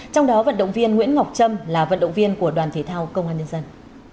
trong đó vận động viên nguyễn ngọc trâm là vận động viên của đoàn thể thao công an nhân dân